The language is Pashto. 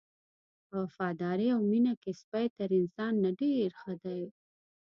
په وفادارۍ او مینه کې سپی تر انسان نه ډېر ښه دی.